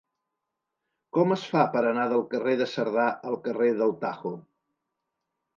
Com es fa per anar del carrer de Cerdà al carrer del Tajo?